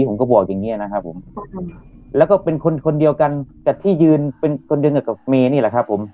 ผมก็บอกอย่างเงี้ยนะครับผมแล้วก็เป็นคนคนเดียวกันกับที่ยืนเป็นคนเดียวกับเมนี่แหละครับผม